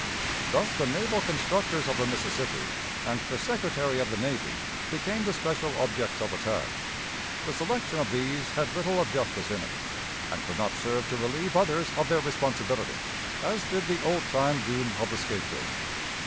Thus the naval constructors of the Mississippi and the Secretary of the Navy became the special objects of attack. The selection of these had little of justice in it, and could not serve to relieve others of their responsibility, as did the old time doom of the scapegoat.